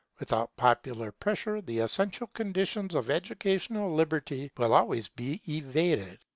Without popular pressure, the essential conditions of educational liberty will always be evaded.